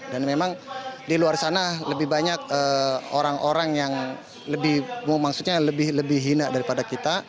dan memang di luar sana lebih banyak orang orang yang lebih maksudnya lebih hina daripada kita